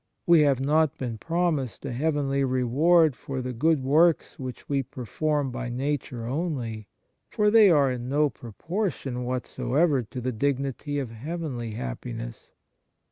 We have not been promised a heavenly reward for the good works which we perform by nature only, for they are in no proportion whatsoever to the dignity of heavenly happiness.